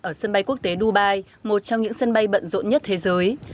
ở sân bay quốc tế dubai một trong những sân bay bận rộn nhất thế giới